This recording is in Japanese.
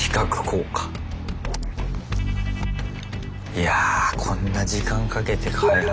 いやこんな時間かけて開発。